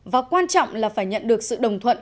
và quan trọng là phải nhận được sự đồng thuận